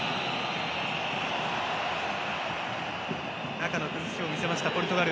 中の崩しを見せましたポルトガル。